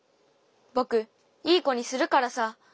ぼく、いいこにするからさ！